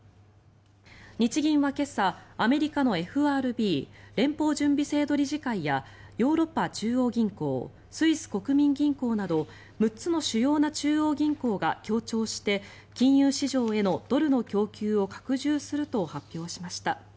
日銀は今朝、アメリカのＦＲＢ・連邦準備制度理事会やヨーロッパ中央銀行スイス国民銀行など６つの主要な中央銀行が協調して金融市場へのドルの供給を拡充すると発表しました。